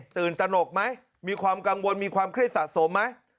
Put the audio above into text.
ตื่นตนกไหมมีความกังวลมีความเครียดสะสมไหม